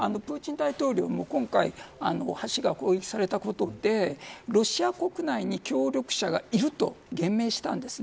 プーチン大統領も今回橋が攻撃されたことでロシア国内に協力者がいると言明したんです。